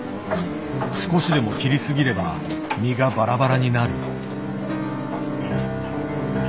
少しでも切りすぎれば身がバラバラになる。